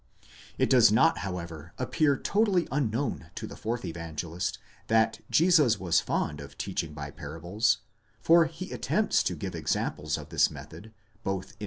It does not however appear totally unknown to the fourth Evangelist that Jesus was fond of teaching by parables, for he attempts to give examples of this method, both in ch.